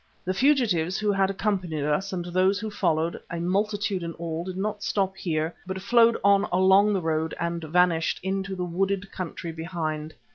The fugitives who had accompanied us, and those who followed, a multitude in all, did not stop here, but flowed on along the road and vanished into the wooded country behind.